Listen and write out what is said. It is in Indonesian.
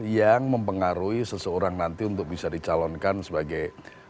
yang mempengaruhi seseorang nanti untuk bisa dicalonkan sebagai